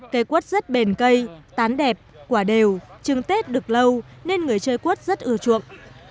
cây quất rất bền cây tán đẹp quả đều chừng tết được lâu nên người chơi quất rất ưa chuộng